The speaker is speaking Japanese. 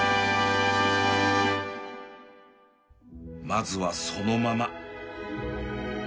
まずはそのまま